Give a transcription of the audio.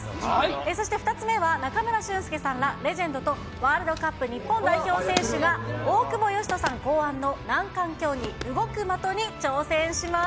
そして２つ目は中村俊輔さんらレジェンドとワールドカップ日本代表戦士が大久保嘉人さん考案の難関競技、動く的に挑戦します。